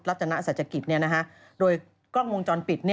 รัชนาศักดิ์ฯโดยกล้องวงจรปิด